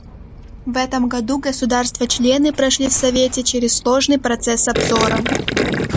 В этом году государства-члены прошли в Совете через сложный процесс обзора.